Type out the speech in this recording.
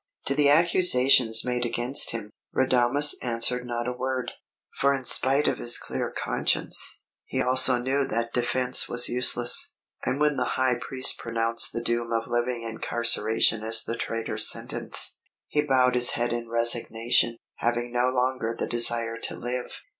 To the accusations made against him, Radames answered not a word, for in spite of his clear conscience, he also knew that defence was useless; and when the High Priest pronounced the doom of living incarceration as the traitor's sentence, he bowed his head in resignation, having no longer the desire to live.